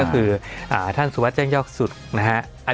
ก็คือท่านสุวัสดิแจ้งยอกสุดนะฮะ